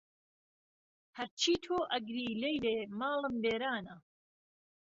ههرچی تۆ ئهگری لهیلێ، ماڵم وێرانه